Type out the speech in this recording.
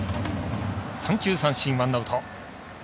三球三振、ワンアウト。